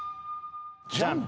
「ジャンプ？」